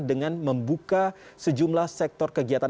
dengan membuka sejumlah sektor kegiatan